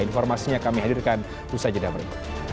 informasinya kami hadirkan usha jedabri